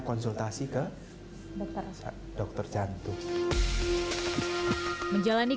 konsultasi ke dokter jantung